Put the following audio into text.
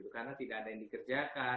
karena tidak ada yang dikerjakan